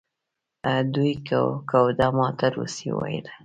دوی ګوډه ما ته روسي ویله.